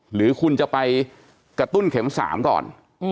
หรือคุณจะไปกระตุ้นเข็ม๓ก่อน